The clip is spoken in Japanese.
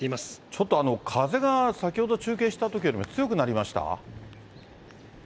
ちょっと風が先ほど中継したときよりも強くなりました？